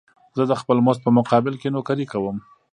زه د خپل مزد په مقابل کې نوکري کوم